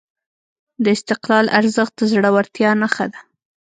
د استقلال ارزښت د زړورتیا نښه ده.